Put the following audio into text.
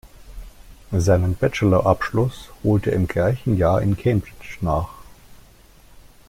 Seinen Bachelor-Abschluss holte er im gleichen Jahr in Cambridge nach.